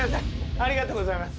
ありがとうございます。